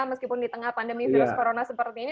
meskipun di tengah pandemi virus corona seperti ini